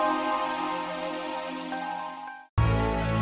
itu tetap banget menarik